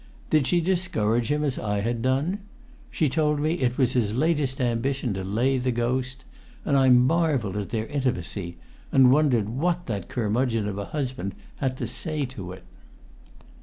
Did she discourage him as I had done? She told me it was his latest ambition to lay the ghost. And I marvelled at their intimacy, and wondered what that curmudgeon of a husband had to say to it!